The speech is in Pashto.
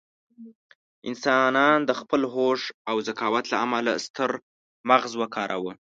انسانان د خپل هوښ او ذکاوت له امله ستر مغز وکاروه.